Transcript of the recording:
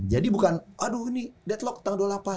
jadi bukan aduh ini deadlock tanggal dua puluh delapan